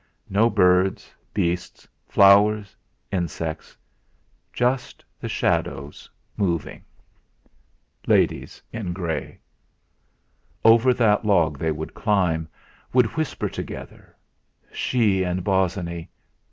No birds, beasts, flowers, insects; Just the shadows moving; 'Ladies in grey!' Over that log they would climb; would whisper together. She and Bosinney!